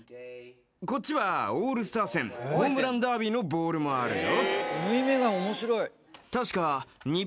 こっちはオールスター戦ホームランダービーのボールもあるよ